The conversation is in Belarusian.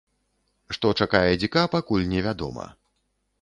Што чакае дзіка, пакуль не вядома.